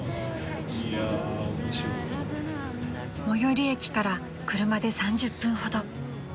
［最寄り駅から車で３０分ほど］